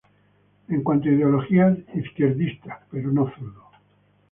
En cuanto a ideologías, izquierdista, pero no zurdo.